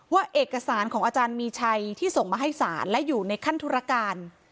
ว่าเอกสารของอาจารย์มีชัยที่ส่งมาให้ศาลและอยู่ในขั้นธุรการ